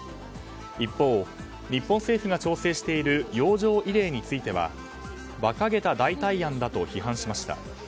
一方、日本政府が調整している洋上慰霊については馬鹿げた代替案だと批判しました。